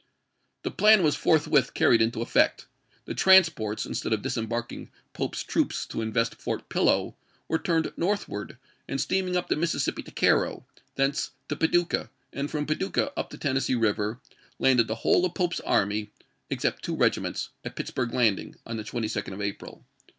The plan was forthwith carried into effect. The transports, instead of disembarking Pope's troops to invest Fort Pillow, were turned northward, and steaming up the Mississippi to Cairo, thence to Paducah, and from Paducah up the Tennessee River, landed the whole of Pope's army, except two regiments, at Pittsburg Landing, on the 22d of April.